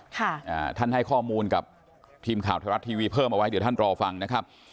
อ่าท่านให้ข้อมูลกับทีมข่าวไทยรัฐทีวีเพิ่มเอาไว้เดี๋ยวท่านรอฟังนะครับ